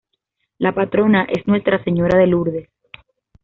La patrona es Nuestra Señora de Lourdes.